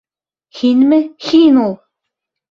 Һинме... һин ул!..